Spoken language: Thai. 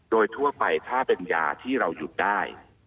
โดยทั่วไปถ้าเป็นยาที่เราหยุดได้